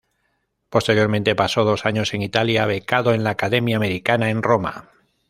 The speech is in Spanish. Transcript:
Posteriormente pasó dos años en Italia becado en la Academia Americana en Roma.